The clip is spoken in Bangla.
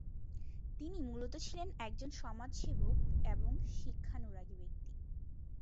তিনি মূলত ছিলেন একজন সমাজসেবক এবং শিক্ষানুরাগী ব্যক্তি।